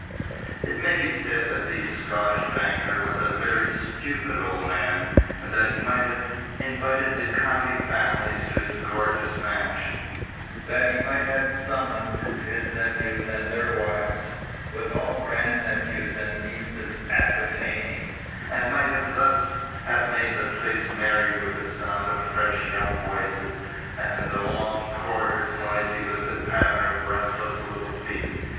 It may be said that the Scottish banker was a very stupid old man, and that he might have invited the county families to his gorgeous mansion; that he might have summoned his nephews and their wives, with all grand nephews and nieces appertaining, and might thus have made the place merry with the sound of fresh young voices, and the long corridors noisy with the patter of restless little feet.